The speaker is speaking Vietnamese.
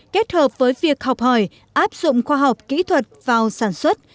kết hợp với việc học hỏi áp dụng khoa học kỹ thuật vào sản xuất